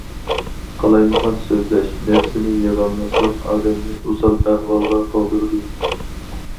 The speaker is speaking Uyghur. قالايمىقان سۆزلەش، نەپسىنى يىغماسلىق ئادەمنى ئوسال ئەھۋالغا قالدۇرىدۇ.